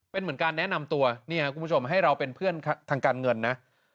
เป็นเหมือนการแนะนำตัวเนี่ยคุณผู้ชมให้เราเป็นเพื่อนทางการเงินนะ